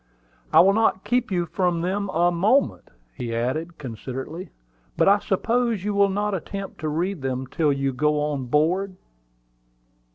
"I will not keep you from them a moment," he added, considerately. "But I suppose you will not attempt to read them till you go on board?"